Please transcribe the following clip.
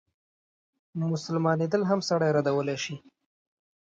مسلمانېدل هم سړی ردولای شي.